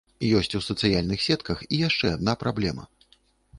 Ёсць у сацыяльных сетках і яшчэ адна праблема.